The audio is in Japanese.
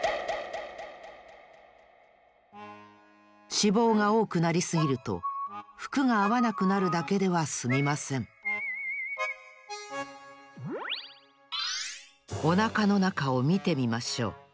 脂肪がおおくなりすぎるとふくがあわなくなるだけではすみませんおなかのなかをみてみましょう。